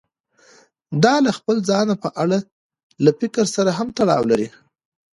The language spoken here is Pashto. دا له خپل ځان په اړه له فکر سره هم تړاو لري.